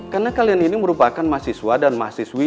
karena kalian ini merupakan mahasiswa dan mahasiswi